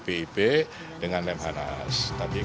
bpip dengan lemhanas